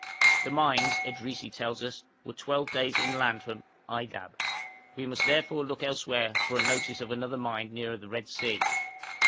The mines, Edrisi tells us, were twelve days inland from Aydab. We must therefore look elsewhere for a notice of another mine nearer the Red Sea.